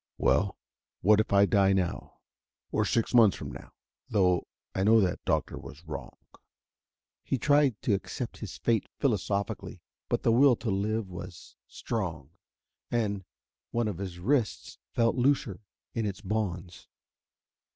Well, what if I die now ... or six months from now? Though I know that doctor was wrong." He tried to accept his fate philosophically, but the will to live was strong. And one of his wrists felt looser in its bonds.